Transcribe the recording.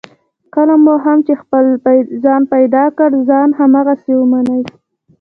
کله مو هم چې خپل ځان پیدا کړ، ځان هماغسې ومنئ.